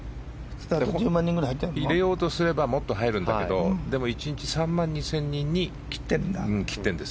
入れようとすればもっと入るんだけど１日３万２０００人に切ってるんです。